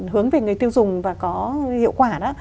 hướng về người tiêu dùng và có hiệu quả